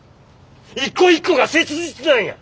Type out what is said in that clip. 一個一個が切実なんや！